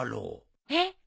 えっ！？